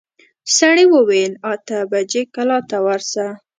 سړي وويل اته بجې کلا ته ورسه.